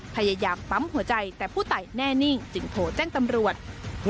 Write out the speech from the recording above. พยายามปั๊มหัวใจแต่ผู้ตายแน่นิ่งจึงโทรแจ้งตำรวจ